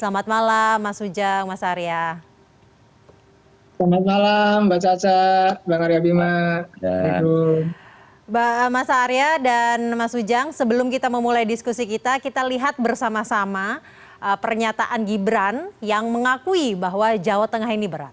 mas arya dan mas ujang sebelum kita memulai diskusi kita kita lihat bersama sama pernyataan gibran yang mengakui bahwa jawa tengah ini berat